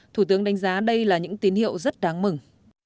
thủ tướng đánh giá đây là những tín hiệu rất đáng mừng